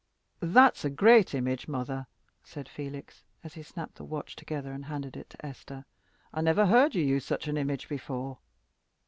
"That's a great image, mother," said Felix, as he snapped the watch together and handed it to Esther; "I never heard you use such an image before."